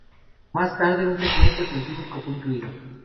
Más tarde, un segmento científico fue incluido.